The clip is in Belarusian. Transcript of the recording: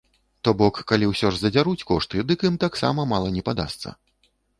То бок, калі ўсё ж задзяруць кошты, дык ім таксама мала не падасца!